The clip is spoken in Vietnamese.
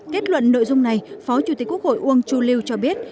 kết luận nội dung này phó chủ tịch quốc hội uông chu lưu cho biết